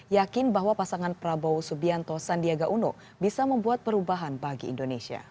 yakin bahwa pasangan prabowo subianto sandiaga uno bisa membuat perubahan bagi indonesia